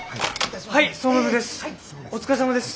☎はい総務部です。